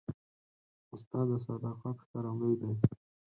استاد د صداقت ښکارندوی دی.